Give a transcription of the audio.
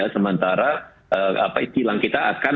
sementara kilang kita akan